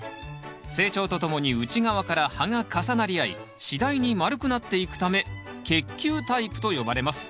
成長とともに内側から葉が重なり合い次第に丸くなっていくため結球タイプと呼ばれます。